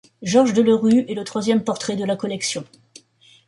Georges Delerue est le troisième portrait de la collection.